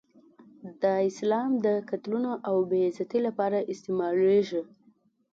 دا اسلام د قتلونو او بې عزتۍ لپاره استعمالېږي.